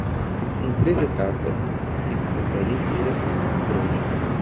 Em três etapas, fico com a pele inteira e fico grande.